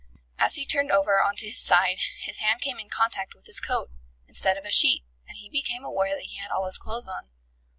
As he turned over on to his side his hand came in contact with his coat, instead of a sheet, and he became aware that he had all his clothes on.